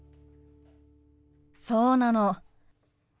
そうなの。